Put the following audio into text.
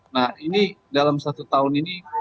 nah ini dalam satu tahun ini